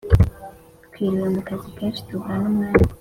twiriwe mukazi kenshi tubura numwanya!!.